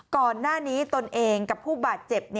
ก่อนหน้านี้ตนเองกับผู้บาดเจ็บ